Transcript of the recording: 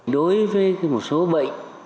đối với một số bệnh